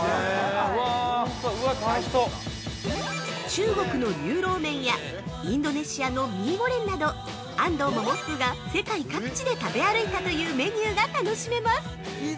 ◆中国の蘭州牛肉面やインドネシアのミーゴレンなど安藤百福が世界各地で食べ歩いたというメニューが楽しめます。